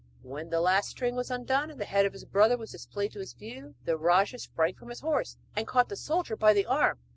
When the last string was undone, and the head of his brother was displayed to his view, the rajah sprang from his horse and caught the soldier by the arm.